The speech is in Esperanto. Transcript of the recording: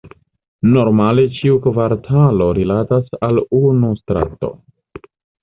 Normale ĉiu kvartalo rilatas al unu strato.